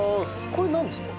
これなんですか？